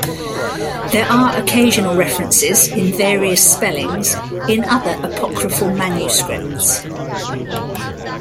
There are occasional references, in various spellings, in other apocryphal manuscripts.